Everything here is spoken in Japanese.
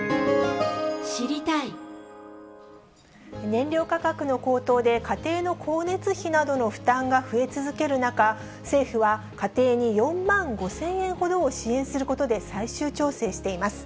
燃料価格の高騰で、家庭の光熱費などの負担が増え続ける中、政府は家庭に４万５０００円ほどを支援することで最終調整しています。